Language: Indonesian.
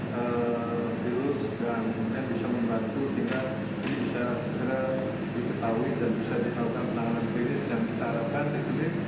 dan bisa dilakukan penanganan klinis dan kita harapkan disini